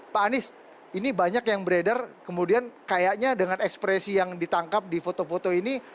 pak anies ini banyak yang beredar kemudian kayaknya dengan ekspresi yang ditangkap di foto foto ini